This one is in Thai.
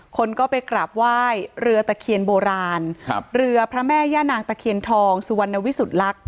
คนก็ไปกราบไหว้เรือตะเคียนโบราณครับเรือพระแม่ย่านางตะเคียนทองสุวรรณวิสุทธิลักษณ